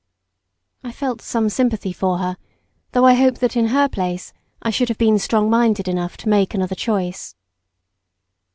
I felt some sympathy for her, though I hope that in her place I should have been strong minded enough to make another choice.